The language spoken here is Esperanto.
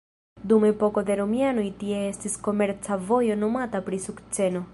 Dum epoko de romianoj tie estis komerca vojo nomata pri sukceno.